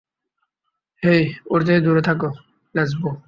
হেই, ওর থেকে দূরে থাক, লেসবো!